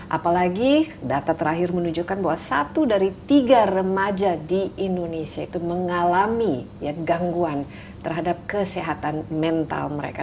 apalagi data terakhir menunjukkan bahwa satu dari tiga remaja di indonesia itu mengalami gangguan terhadap kesehatan mental mereka